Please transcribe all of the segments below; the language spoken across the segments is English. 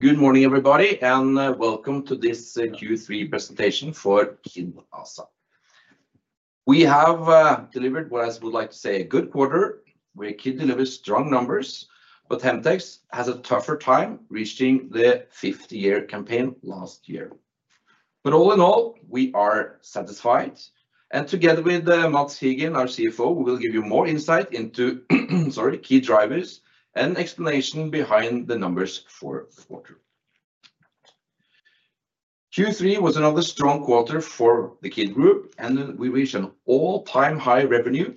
Good morning, everybody, and welcome to this Q3 presentation for Kid ASA. We have delivered what I would like to say a good quarter, where Kid delivers strong numbers, but Hemtex has a tougher time reaching the 50-year campaign last year, but all in all, we are satisfied, and together with Mads Kigen, our CFO, we will give you more insight into, sorry, key drivers and explanation behind the numbers for the quarter. Q3 was another strong quarter for the Kid group, and we reached an all-time high revenue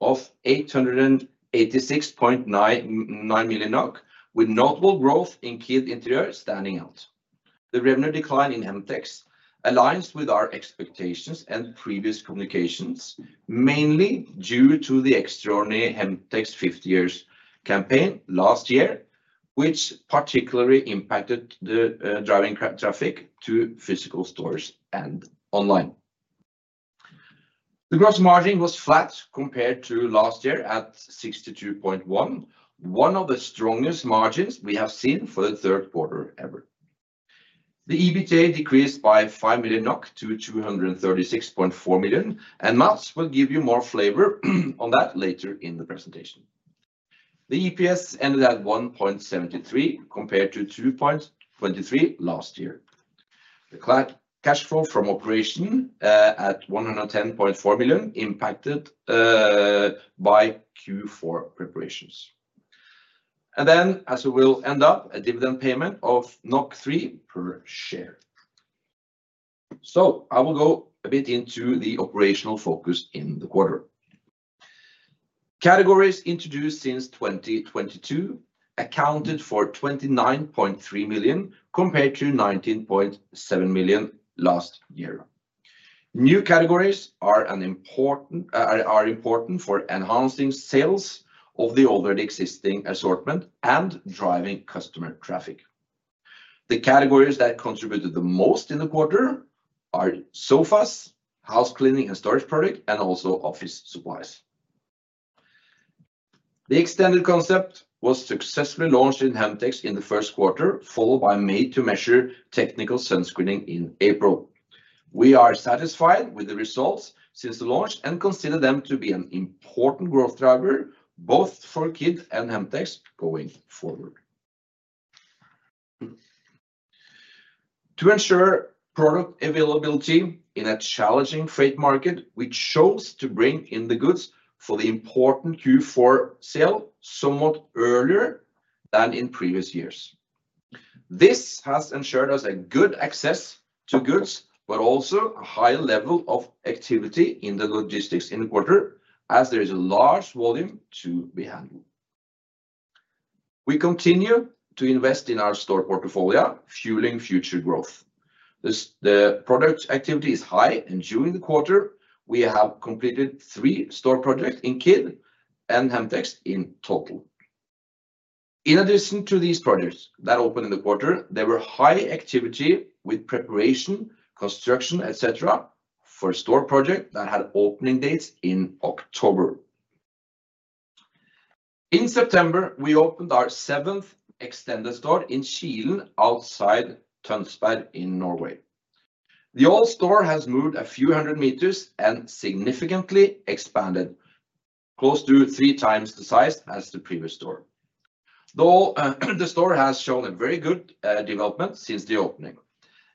of 886.9 million NOK, with notable growth in Kid Interiør standing out. The revenue decline in Hemtex aligns with our expectations and previous communications, mainly due to the extraordinary Hemtex 50-year campaign last year, which particularly impacted the driving traffic to physical stores and online. The gross margin was flat compared to last year at 62.1%, one of the strongest margins we have seen for the third quarter ever. The EBITDA decreased by 5 million NOK to 236.4 million, and Mads will give you more flavor on that later in the presentation. The EPS ended at 1.73 compared to 2.23 last year, the cash flow from operation at 110.4 million impacted by Q4 preparations, and then, as we will end up, a dividend payment of 3 per share, so I will go a bit into the operational focus in the quarter. Categories introduced since 2022 accounted for 29.3 million compared to 19.7 million last year. New categories are important for enhancing sales of the already existing assortment and driving customer traffic. The categories that contributed the most in the quarter are sofas, house cleaning and storage products, and also office supplies. The Extended concept was successfully launched in Hemtex in the first quarter, followed by a move to manage technical sourcing in April. We are satisfied with the results since the launch and consider them to be an important growth driver both for Kid and Hemtex going forward. To ensure product availability in a challenging freight market, we chose to bring in the goods for the important Q4 sale somewhat earlier than in previous years. This has ensured us a good access to goods, but also a high level of activity in the logistics in the quarter, as there is a large volume to be handled. We continue to invest in our store portfolio, fueling future growth. The project activity is high, and during the quarter, we have completed three store projects in Kid and Hemtex in total. In addition to these projects that opened in the quarter, there were high activity with preparation, construction, etc., for store projects that had opening dates in October. In September, we opened our seventh Extended store in Kilen outside Tønsberg in Norway. The old store has moved a few hundred meters and significantly expanded, close to three times the size as the previous store. The store has shown a very good development since the opening,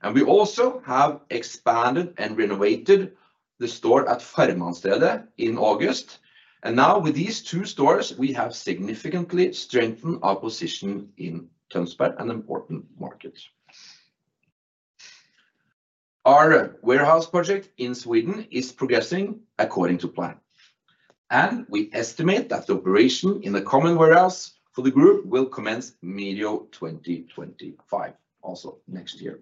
and we also have expanded and renovated the store at Farmandstredet in August, and now, with these two stores, we have significantly strengthened our position in Tønsberg, an important market. Our warehouse project in Sweden is progressing according to plan, and we estimate that the operation in the common warehouse for the group will commence mid-2025, also next year.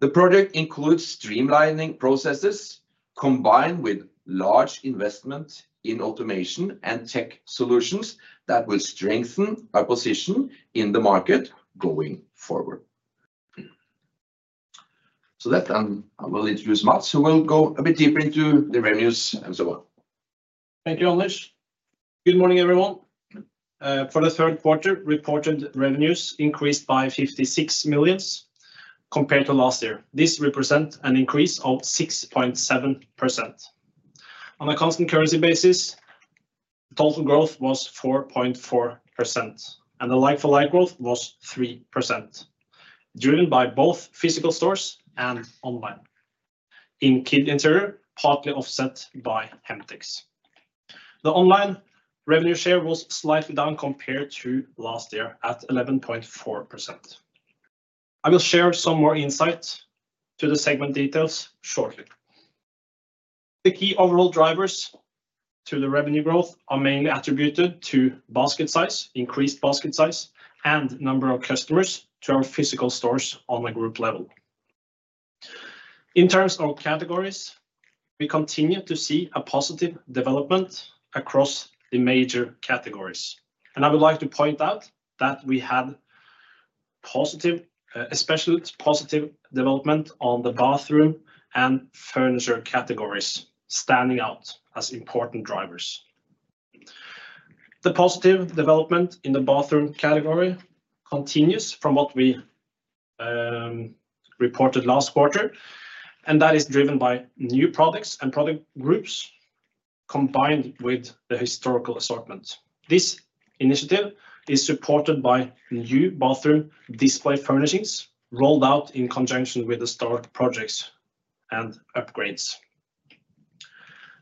The project includes streamlining processes combined with large investment in automation and tech solutions that will strengthen our position in the market going forward. So that, I will introduce Mads, who will go a bit deeper into the revenues and so on. Thank you, Anders. Good morning, everyone. For the third quarter, reported revenues increased by 56 million compared to last year. This represents an increase of 6.7%. On a constant currency basis, total growth was 4.4%, and the like-for-like growth was 3%, driven by both physical stores and online. In Kid Interiør, partly offset by Hemtex. The online revenue share was slightly down compared to last year at 11.4%. I will share some more insight to the segment details shortly. The key overall drivers to the revenue growth are mainly attributed to basket size, increased basket size, and number of customers to our physical stores on the group level. In terms of categories, we continue to see a positive development across the major categories, and I would like to point out that we had positive, especially positive development on the bathroom and furniture categories, standing out as important drivers. The positive development in the bathroom category continues from what we reported last quarter, and that is driven by new products and product groups combined with the historical assortment. This initiative is supported by new bathroom display furnishings rolled out in conjunction with the store projects and upgrades.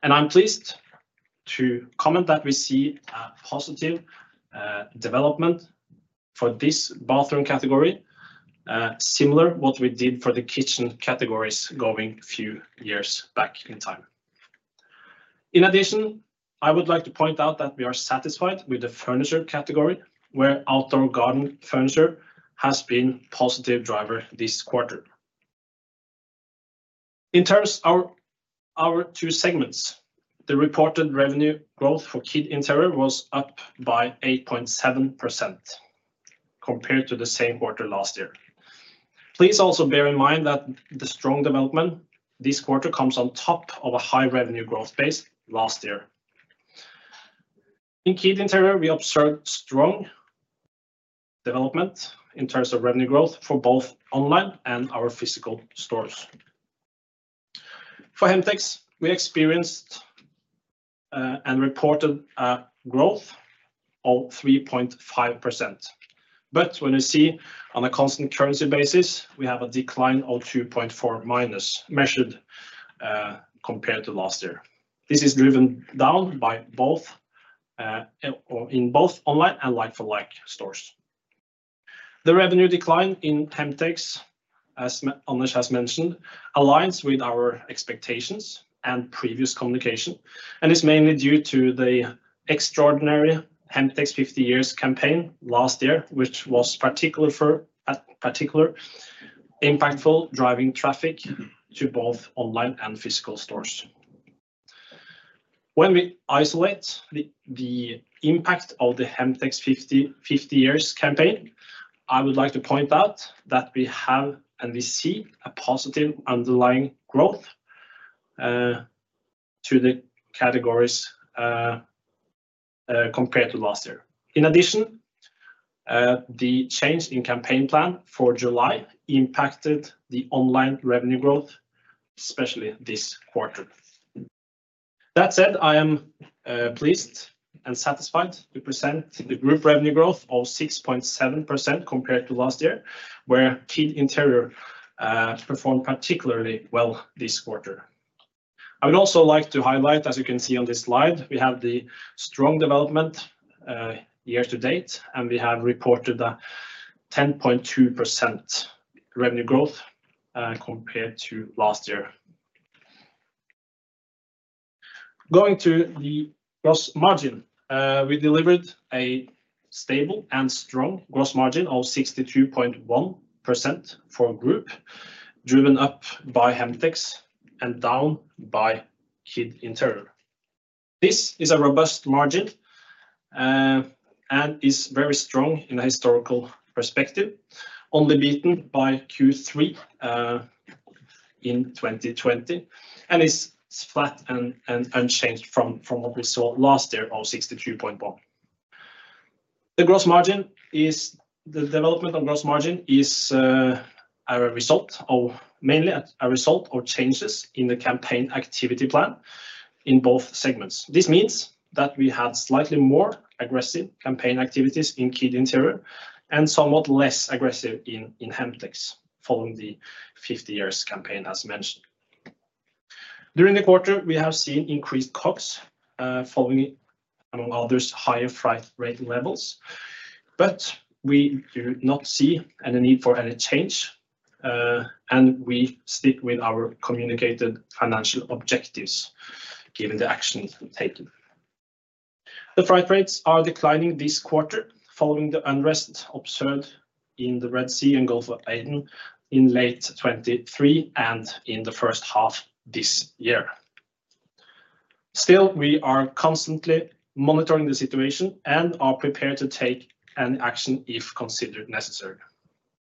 I'm pleased to comment that we see a positive development for this bathroom category, similar to what we did for the kitchen categories going a few years back in time. In addition, I would like to point out that we are satisfied with the furniture category, where outdoor garden furniture has been a positive driver this quarter. In terms of our two segments, the reported revenue growth for Kid Interiør was up by 8.7% compared to the same quarter last year. Please also bear in mind that the strong development this quarter comes on top of a high revenue growth base last year. In Kid Interiør, we observed strong development in terms of revenue growth for both online and our physical stores. For Hemtex, we experienced and reported a growth of 3.5%, but when you see on a constant currency basis, we have a decline of -2.4%, measured compared to last year. This is driven down by both online and like-for-like stores. The revenue decline in Hemtex, as Anders has mentioned, aligns with our expectations and previous communication, and is mainly due to the extraordinary Hemtex 50-year campaign last year, which was particularly impactful, driving traffic to both online and physical stores. When we isolate the impact of the Hemtex 50-year campaign, I would like to point out that we have and we see a positive underlying growth to the categories compared to last year. In addition, the change in campaign plan for July impacted the online revenue growth, especially this quarter. That said, I am pleased and satisfied to present the group revenue growth of 6.7% compared to last year, where Kid Interiør performed particularly well this quarter. I would also like to highlight, as you can see on this slide, we have the strong development year to date, and we have reported a 10.2% revenue growth compared to last year. Going to the gross margin, we delivered a stable and strong gross margin of 62.1% for group, driven up by Hemtex and down by Kid Interiør. This is a robust margin and is very strong in a historical perspective, only beaten by Q3 in 2020, and is flat and unchanged from what we saw last year of 62.1. The development of gross margin is mainly a result of changes in the campaign activity plan in both segments. This means that we had slightly more aggressive campaign activities in Kid Interiør and somewhat less aggressive in Hemtex, following the 50-year campaign, as mentioned. During the quarter, we have seen increased COGS, following, among others, higher freight rate levels, but we do not see any need for any change, and we stick with our communicated financial objectives given the action taken. The freight rates are declining this quarter, following the unrest observed in the Red Sea and Gulf of Aden in late 2023 and in the first half this year. Still, we are constantly monitoring the situation and are prepared to take any action if considered necessary.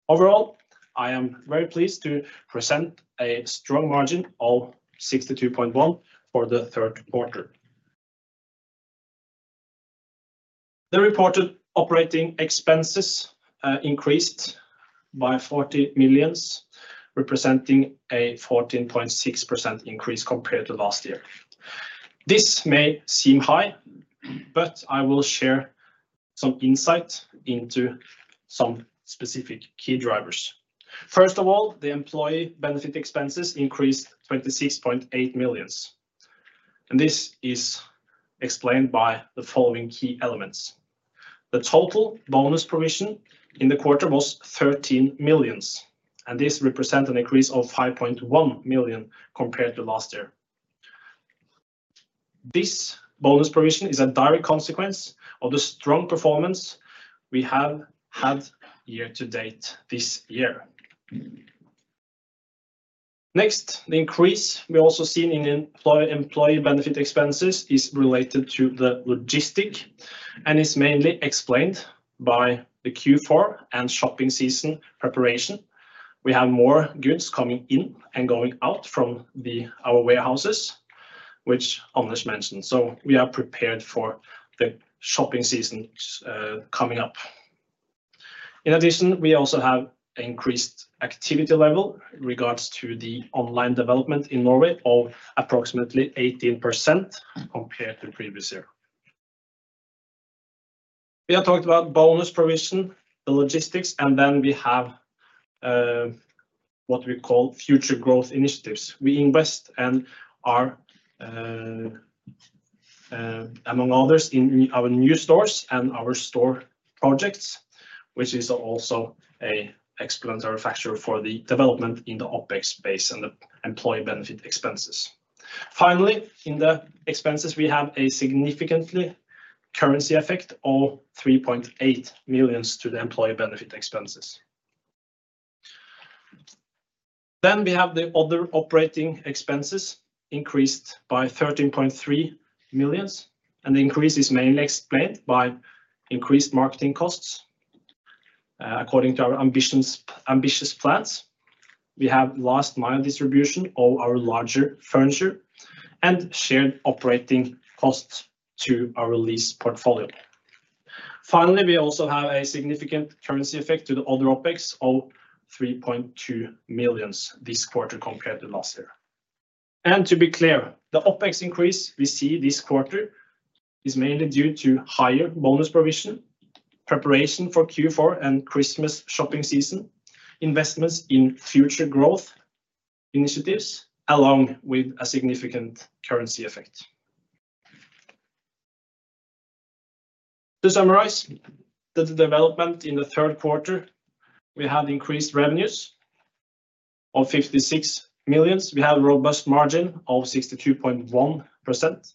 Overall, I am very pleased to present a strong margin of 62.1% for the third quarter. The reported operating expenses increased by 40 million, representing a 14.6% increase compared to last year. This may seem high, but I will share some insight into some specific key drivers. First of all, the employee benefit expenses increased 26.8 million, and this is explained by the following key elements. The total bonus provision in the quarter was 13 million, and this represents an increase of 5.1 million compared to last year. This bonus provision is a direct consequence of the strong performance we have had year to date this year. Next, the increase we also see in employee benefit expenses is related to the logistics and is mainly explained by the Q4 and shopping season preparation. We have more goods coming in and going out from our warehouses, which Anders mentioned, so we are prepared for the shopping season coming up. In addition, we also have an increased activity level in regards to the online development in Norway of approximately 18% compared to the previous year. We have talked about bonus provision, the logistics, and then we have what we call future growth initiatives. We invest and are, among others, in our new stores and our store projects, which is also an explaining factor for the development in the OpEx base and the employee benefit expenses. Finally, in the expenses, we have a significant currency effect of 3.8 millions to the employee benefit expenses. Then we have the other operating expenses increased by 13.3 millions, and the increase is mainly explained by increased marketing costs. According to our ambitious plans, we have last mile distribution of our larger furniture and shared operating costs to our lease portfolio. Finally, we also have a significant currency effect to the other OpEx of 3.2 million this quarter compared to last year. And to be clear, the OpEx increase we see this quarter is mainly due to higher bonus provision, preparation for Q4 and Christmas shopping season, investments in future growth initiatives, along with a significant currency effect. To summarize, the development in the third quarter, we had increased revenues of 56 million. We have a robust margin of 62.1%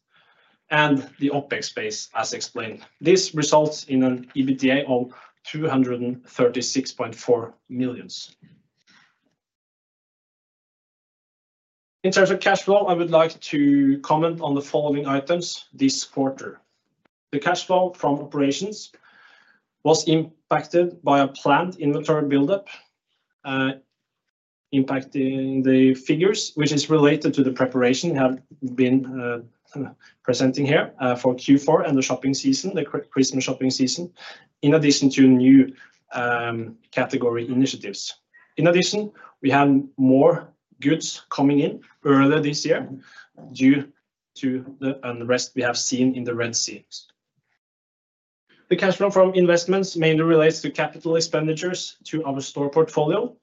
and the OpEx base, as explained. This results in an EBITDA of 236.4 million. In terms of cash flow, I would like to comment on the following items this quarter. The cash flow from operations was impacted by a planned inventory buildup, impacting the figures, which is related to the preparation we have been presenting here for Q4 and the shopping season, the Christmas shopping season, in addition to new category initiatives. In addition, we have more goods coming in earlier this year due to the unrest we have seen in the Red Sea. The cash flow from investments mainly relates to capital expenditures to our store portfolio,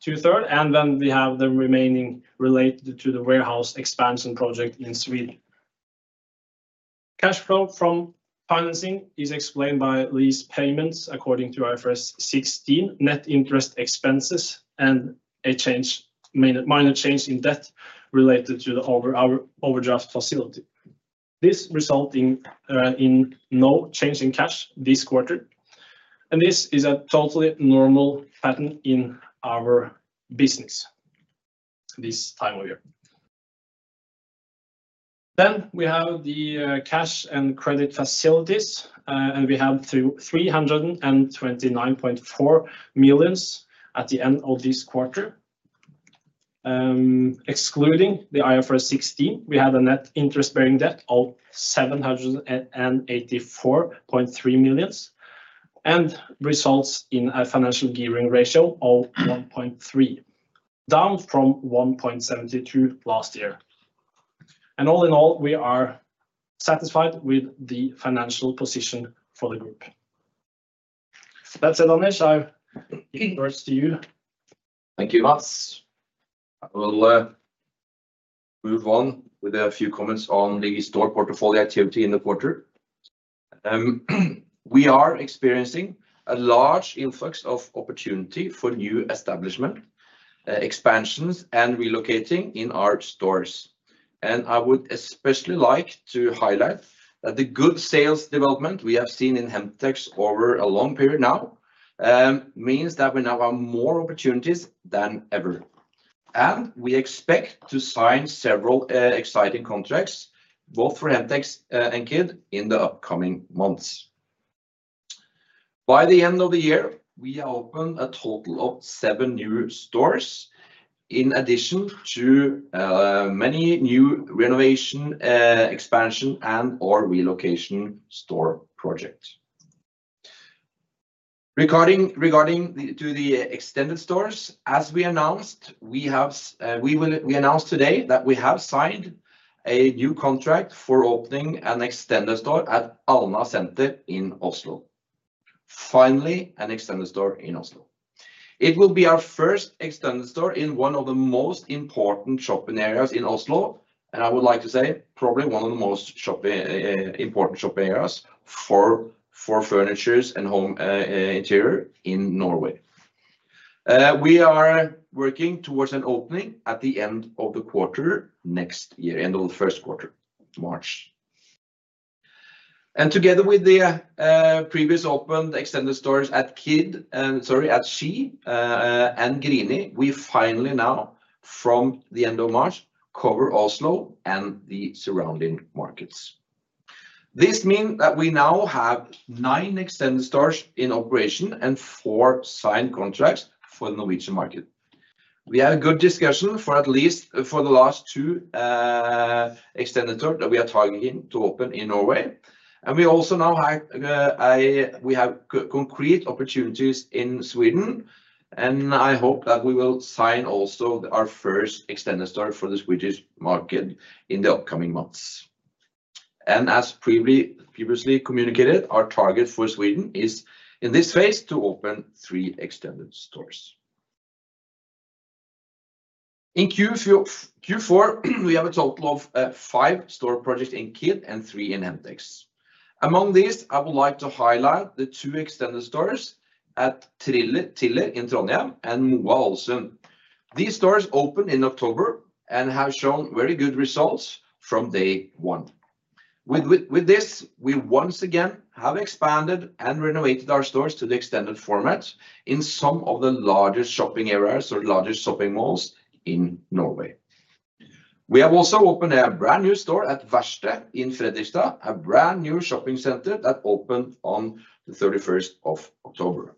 two-thirds, and then we have the remaining related to the warehouse expansion project in Sweden. Cash flow from financing is explained by lease payments according to IFRS 16, net interest expenses, and a minor change in debt related to the overdraft facility. This resulted in no change in cash this quarter, and this is a totally normal pattern in our business this time of year. We have the cash and credit facilities, and we have 329.4 million at the end of this quarter. Excluding the IFRS 16, we had a net interest-bearing debt of 784.3 million and results in a financial gearing ratio of 1.3, down from 1.72 last year. All in all, we are satisfied with the financial position for the group. That said, Anders, I'll give the word to you. Thank you, Mads. I will move on with a few comments on the store portfolio activity in the quarter. We are experiencing a large influx of opportunity for new establishment expansions and relocating in our stores. I would especially like to highlight that the good sales development we have seen in Hemtex over a long period now means that we now have more opportunities than ever. We expect to sign several exciting contracts, both for Hemtex and Kid, in the upcoming months. By the end of the year, we are open a total of seven new stores, in addition to many new renovation expansion and/or relocation store projects. Regarding the Extended stores, as we announced, we announced today that we have signed a new contract for opening an Extended store at Alna Senter in Oslo. Finally, an Extended store in Oslo. It will be our first Extended store in one of the most important shopping areas in Oslo, and I would like to say probably one of the most important shopping areas for furniture and home interior in Norway. We are working towards an opening at the end of the quarter next year, end of the first quarter, March. And together with the previous opened Extended stores at Kid, sorry, at Ski and Grini, we finally now, from the end of March, cover Oslo and the surrounding markets. This means that we now have nine Extended stores in operation and four signed contracts for the Norwegian market. We have a good discussion for at least the last two Extended stores that we are targeting to open in Norway. And we also now have concrete opportunities in Sweden, and I hope that we will sign also our first Extended store for the Swedish market in the upcoming months. And as previously communicated, our target for Sweden is, in this phase, to open three Extended stores. In Q4, we have a total of five store projects in Kid and three in Hemtex. Among these, I would like to highlight the two Extended stores at Tiller in Trondheim and Moa, Ålesund. These stores opened in October and have shown very good results from day one. With this, we once again have expanded and renovated our stores to the Extended format in some of the largest shopping areas or largest shopping malls in Norway. We have also opened a brand new store at Værste in Fredrikstad, a brand new shopping center that opened on the 31st of October.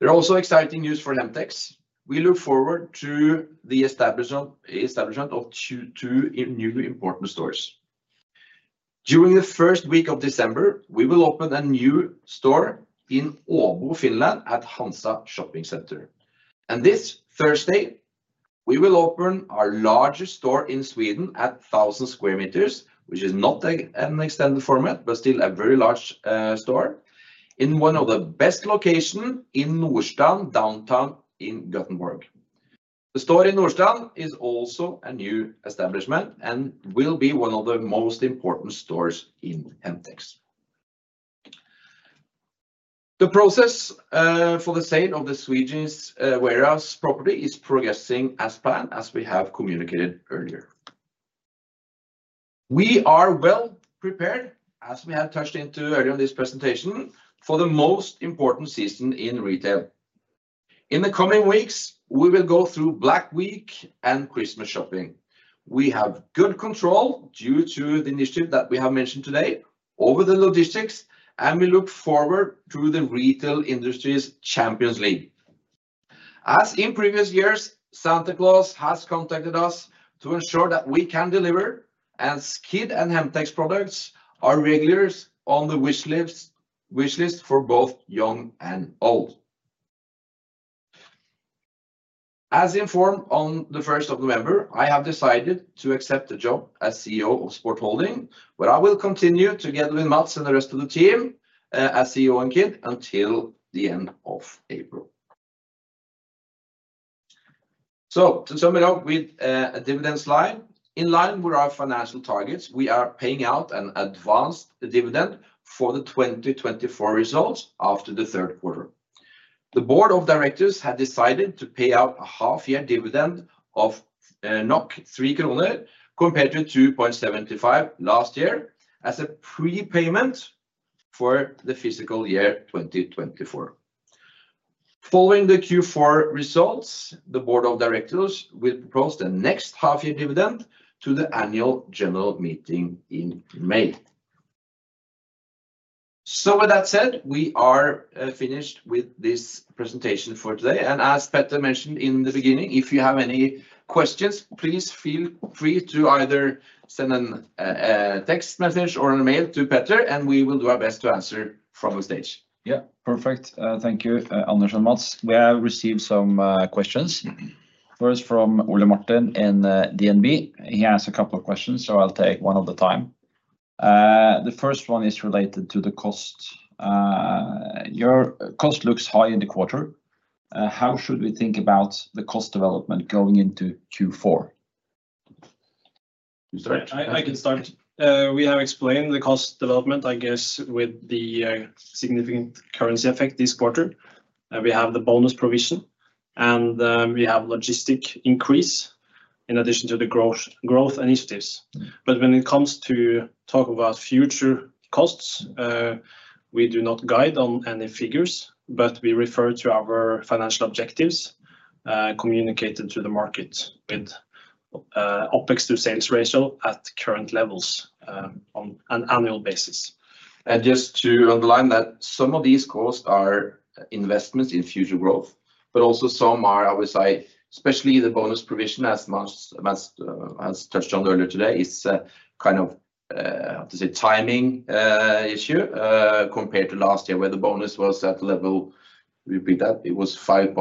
There are also exciting news for Hemtex. We look forward to the establishment of two new important stores. During the first week of December, we will open a new store in Åbo, Finland, at Hansa Shopping Center. And this Thursday, we will open our largest store in Sweden at 1,000 sq m, which is not an Extended format, but still a very large store, in one of the best locations in Nordstan downtown in Gothenburg. The store in Nordstan is also a new establishment and will be one of the most important stores in Hemtex. The process for the sale of the Swedish warehouse property is progressing as planned, as we have communicated earlier. We are well prepared, as we have touched into earlier in this presentation, for the most important season in retail. In the coming weeks, we will go through Black Week and Christmas shopping. We have good control due to the initiative that we have mentioned today over the logistics, and we look forward to the retail industry's Champions League. As in previous years, Santa Claus has contacted us to ensure that we can deliver, as Kid and Hemtex products are regulars on the wishlist for both young and old. As informed on the 1st of November, I have decided to accept the job as CEO of Sport Holding, where I will continue together with Mads and the rest of the team as CEO in Kid until the end of April. So, to sum it up with a dividend slide, in line with our financial targets, we are paying out an advanced dividend for the 2024 results after the third quarter. The board of directors had decided to pay out a half-year dividend of 3 kroner compared to 2.75 last year as a prepayment for the fiscal year 2024. Following the Q4 results, the board of directors will propose the next half-year dividend to the annual general meeting in May. So, with that said, we are finished with this presentation for today. And as Petter mentioned in the beginning, if you have any questions, please feel free to either send a text message or an email to Petter, and we will do our best to answer from the stage. Yeah, perfect. Thank you, Anders and Mads. We have received some questions, first from Ole Martin in DNB. He has a couple of questions, so I'll take one at a time. The first one is related to the cost. Your cost looks high in the quarter. How should we think about the cost development going into Q4? You start. I can start. We have explained the cost development, I guess, with the significant currency effect this quarter. We have the bonus provision, and we have logistic increase in addition to the growth initiatives. But when it comes to talking about future costs, we do not guide on any figures, but we refer to our financial objectives communicated to the market with OpEx to sales ratio at current levels on an annual basis. And just to underline that, some of these costs are investments in future growth, but also some are, I would say, especially the bonus provision, as Mads has touched on earlier today, is a kind of, how to say, timing issue compared to last year where the bonus was at the level we picked up. It was 5.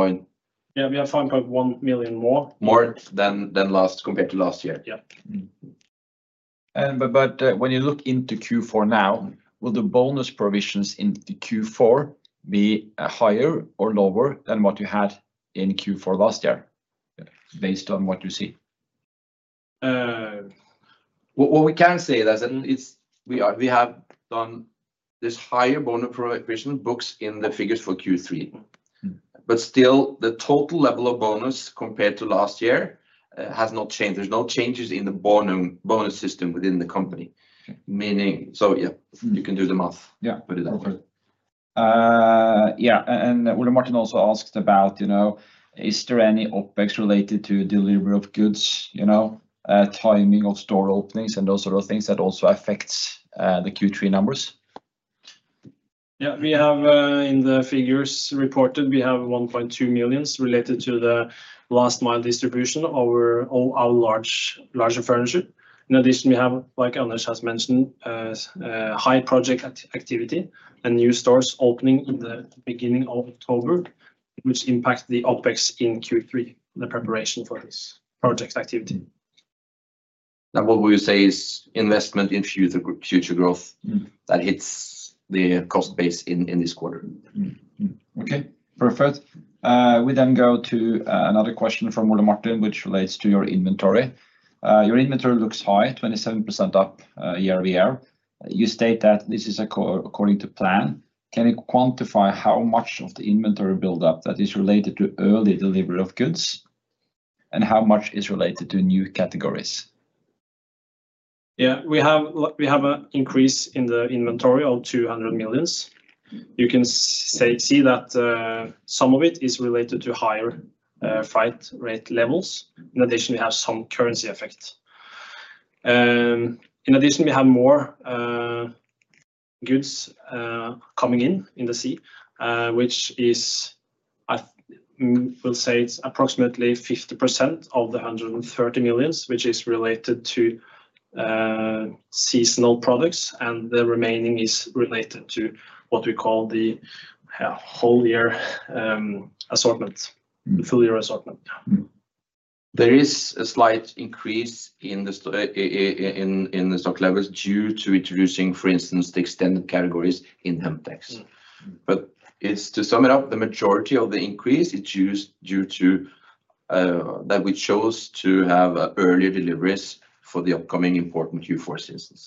Yeah, we have 5.1 million more. More than last compared to last year. Yeah. But when you look into Q4 now, will the bonus provisions in Q4 be higher or lower than what you had in Q4 last year based on what you see? What we can say is, and we have done this higher bonus provision booked in the figures for Q3. But still, the total level of bonus compared to last year has not changed. There's no changes in the bonus system within the company. Meaning, so yeah, you can do the math. Yeah, put it that way. Yeah, and Ole Martin also asked about, you know, is there any OpEx related to delivery of goods, you know, timing of store openings and those sort of things that also affects the Q3 numbers? Yeah, we have in the figures reported, we have 1.2 million related to the last mile distribution of our larger furniture. In addition, we have, like Anders has mentioned, high project activity and new stores opening in the beginning of October, which impacts the OpEx in Q3, the preparation for this project activity. And what would you say is investment in future growth that hits the cost base in this quarter? Okay, perfect. We then go to another question from Ole Martin, which relates to your inventory. Your inventory looks high, 27% up year over year. You state that this is according to plan. Can you quantify how much of the inventory buildup that is related to early delivery of goods and how much is related to new categories? Yeah, we have an increase in the inventory of 200 million. You can see that some of it is related to higher freight rate levels. In addition, we have some currency effect. In addition, we have more goods coming in by sea, which is, I will say, it's approximately 50% of the 130 million, which is related to seasonal products, and the remaining is related to what we call the whole year assortment, full year assortment. There is a slight increase in the stock levels due to introducing, for instance, the Extended categories in Hemtex. But to sum it up, the majority of the increase is due to that we chose to have earlier deliveries for the upcoming important Q4 season.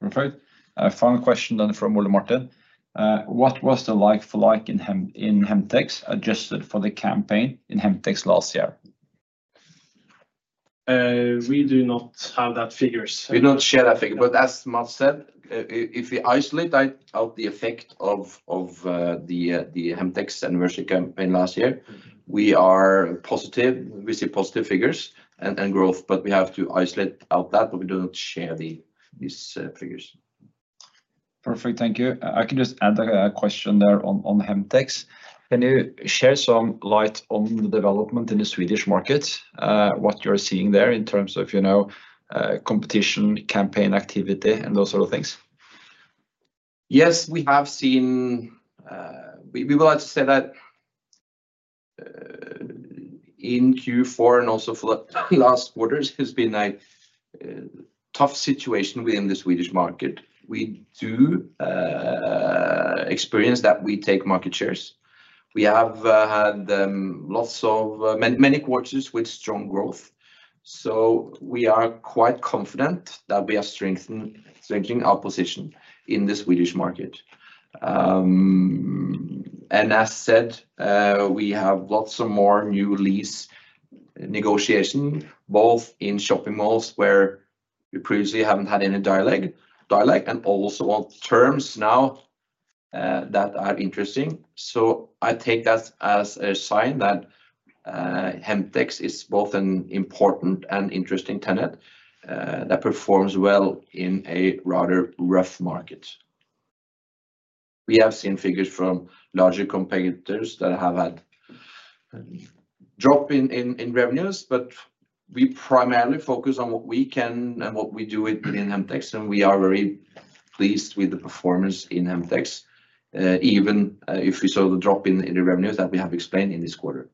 Perfect. A final question then from Ole Martin. What was the like-for-like in Hemtex adjusted for the campaign in Hemtex last year? We do not have that figure. We don't share that figure. But as Mads said, if we isolate out the effect of the Hemtex anniversary campaign last year, we see positive figures and growth, but we have to isolate out that, but we do not share these figures. Perfect, thank you. I can just add a question there on Hemtex. Can you shed some light on the development in the Swedish market, what you're seeing there in terms of competition, campaign activity, and those sort of things? Yes, we have seen, we would like to say that in Q4 and also for the last quarter has been a tough situation within the Swedish market. We do experience that we take market shares. We have had lots of many quarters with strong growth. So we are quite confident that we are strengthening our position in the Swedish market. And as said, we have lots of more new lease negotiations, both in shopping malls where we previously haven't had any dialogue and also on terms now that are interesting. So I take that as a sign that Hemtex is both an important and interesting tenant that performs well in a rather rough market. We have seen figures from larger competitors that have had a drop in revenues, but we primarily focus on what we can and what we do within Hemtex, and we are very pleased with the performance in Hemtex, even if we saw the drop in the revenues that we have explained in this quarter.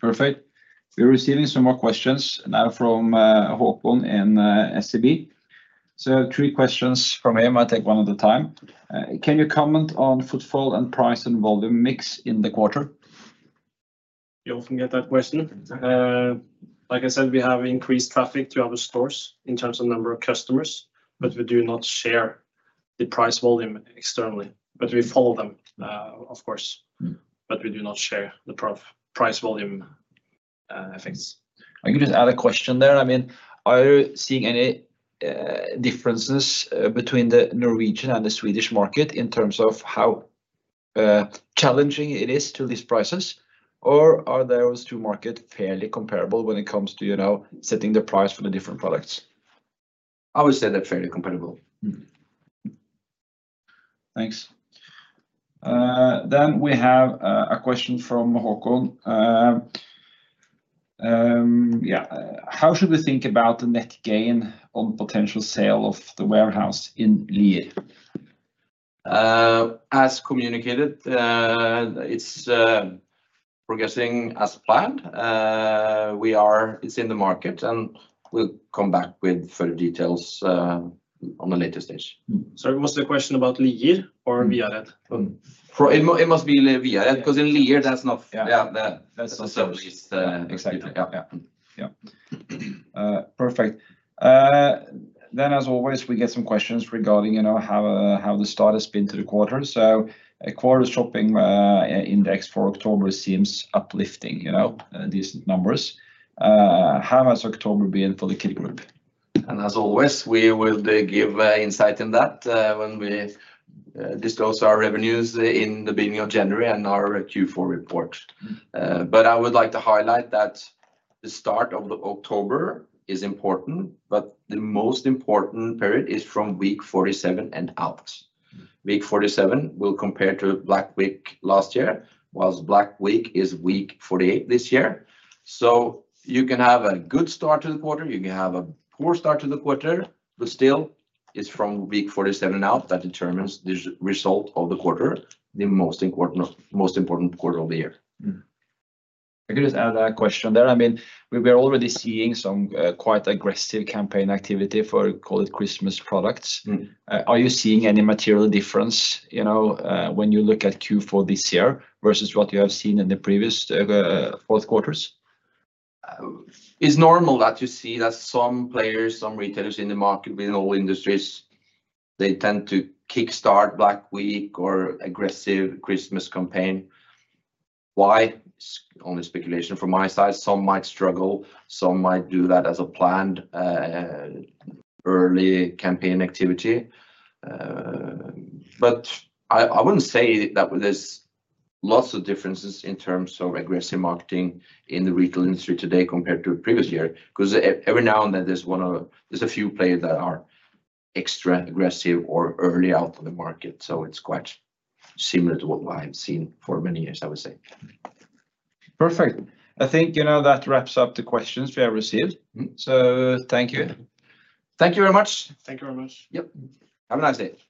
Perfect. We're receiving some more questions now from Håkon in SEB. So three questions from him, I'll take one at a time. Can you comment on footfall and price and volume mix in the quarter? You often get that question. Like I said, we have increased traffic to other stores in terms of number of customers, but we do not share the price volume externally. But we follow them, of course, but we do not share the price volume effects. I can just add a question there. I mean, are you seeing any differences between the Norwegian and the Swedish market in terms of how challenging it is to raise these prices, or are those two markets fairly comparable when it comes to setting the price for the different products? I would say they're fairly comparable. Thanks. Then we have a question from Håkon. Yeah, how should we think about the net gain on potential sale of the warehouse in Lier? As communicated, it's progressing as planned. It's in the market, and we'll come back with further details at a later stage. Sorry, was the question about Lier or Viared? It must be Viared because in Lier, that's not. Yeah, that's the least expected. Yeah. Perfect. Then, as always, we get some questions regarding how the start has been to the quarter. So a quarter's shopping index for October seems uplifting, decent numbers. How has October been for the Kid Group? And as always, we will give insight in that when we disclose our revenues in the beginning of January and our Q4 report. But I would like to highlight that the start of October is important, but the most important period is from week 47 and out. Week 47 will compare to Black Week last year, while Black Week is week 48 this year. You can have a good start to the quarter, you can have a poor start to the quarter, but still, it's from week 47 and out that determines the result of the quarter, the most important quarter of the year. I can just add that question there. I mean, we were already seeing some quite aggressive campaign activity for, call it, Christmas products. Are you seeing any material difference when you look at Q4 this year versus what you have seen in the previous four quarters? It's normal that you see that some players, some retailers in the market within all industries, they tend to kickstart Black Week or aggressive Christmas campaign. Why? It's only speculation from my side. Some might struggle. Some might do that as a planned early campaign activity. But I wouldn't say that there's lots of differences in terms of aggressive marketing in the retail industry today compared to the previous year because every now and then, there's a few players that are extra aggressive or early out of the market. So it's quite similar to what I've seen for many years, I would say. Perfect. I think that wraps up the questions we have received. So thank you. Thank you very much. Thank you very much. Yep. Have a nice day.